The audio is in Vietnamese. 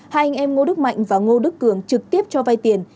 hai anh em ngô đức mạnh và ngô đức cường trực tiếp cho vay tiền